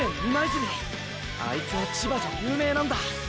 あいつは千葉じゃ有名なんだ！！